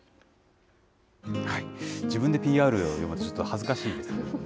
自分でＰＲ、ちょっと恥ずかしいですね。